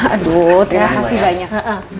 aduh terima kasih banyak